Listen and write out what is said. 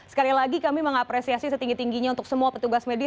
sekali lagi kami mengapresiasi setinggi tingginya untuk semua petugas medis